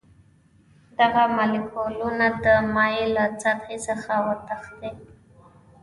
دغه مالیکولونه د مایع له سطحې څخه وتښتي.